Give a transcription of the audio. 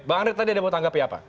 pak angret tadi ada mau tanggapi apa